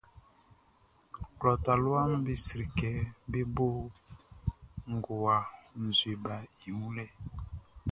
Klɔ taluaʼm be sri kɛ bé bó ngowa nzue baʼn i wun lɛʼn.